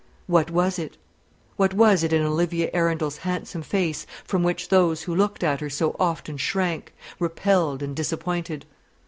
What was it? What was it in Olivia Arundel's handsome face from which those who looked at her so often shrank, repelled and disappointed?